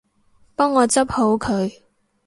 幫我執好佢